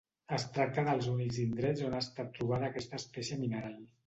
Es tracta dels únics indrets on ha estat trobada aquesta espècie mineral.